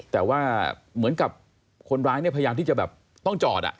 แต่ว่าเหมือนกับคนร้ายเนี่ยพยายามที่จะแบบต้องจอด